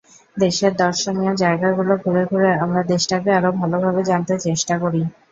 দেশের দর্শনীয় জায়গাগুলো ঘুরে ঘুরে আমরা দেশটাকে আরও ভালোভাবে জানতে চেষ্টা করি।